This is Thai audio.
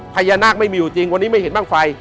พญานาคไม่มีอยู่จริงวันนี้ไม่เห็นบ้างไฟ